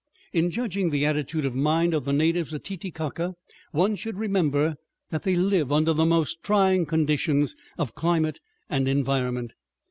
In judging the attitude of mind of the natives of Titicaca one should remember that they live under most trying conditions of climate and environment.